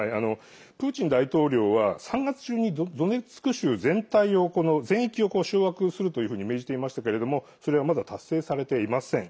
プーチン大統領は３月中にドネツク州全域を掌握するというふうに命じていましたけれどもそれはまだ達成されていません。